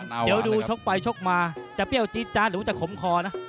เดี๋ยวดูชกไปชกมาจะเปรี้ยวจี๊ดจ๊ะหรือจะขมคอนะ